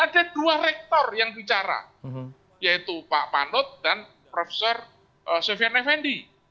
ada dua rektor yang bicara yaitu pak panut dan profesor sofian effendi